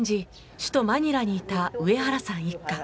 首都マニラにいたウエハラさん一家。